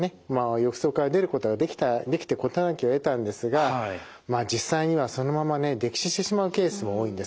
浴槽から出ることができて事なきを得たんですがまあ実際にはそのままね溺死してしまうケースも多いんです。